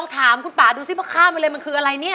ถามคุณป่าดูสิว่าข้ามมาเลยมันคืออะไรเนี่ย